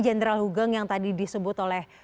jenderal hugeng yang tadi disebut oleh